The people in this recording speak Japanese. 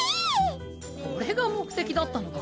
これが目的だったのか。